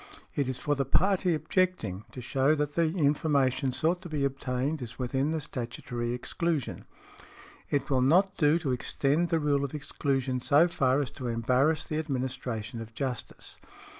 It is for the party objecting to shew that the information sought to be obtained is within the statutory exclusion. "It will not do to extend the rule of exclusion so far as to embarrass the administration of justice.